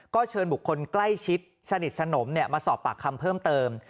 ก็เชิญบุคคลใกล้ชิดสนิทสนมมาสอบปากคำเพิ่มเติม